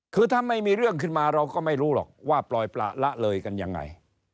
คือถ้าไม่มีเรื่องขึ้นมาเราก็ไม่รู้หรอกว่าปล่อยประละเลยกันยังไง